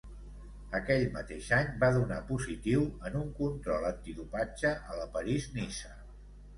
Aquell mateix any va donar positiu en un control antidopatge a la París-Niça.